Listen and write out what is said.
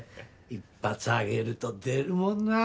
一発上げると出るもんなあ！